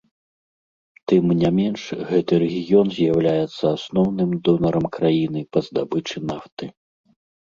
Тым не менш, гэты рэгіён з'яўляецца асноўным донарам краіны па здабычы нафты.